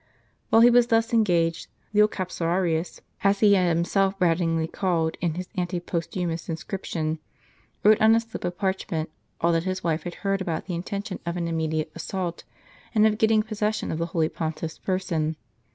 While he was thus engaged, the old capsararius, as he had had himself rattlingly called in his ante posthumous inscription, wrote on a slip of parchment all that his wife had heard about the intention of an immediate assault, and of getting possession of the holy Pontiff's person.